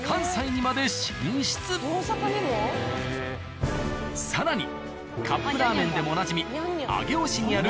更にカップラーメンでもおなじみ。